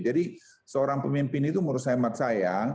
jadi seorang pemimpin itu menurut saya